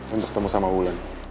untuk bertemu dengan wulan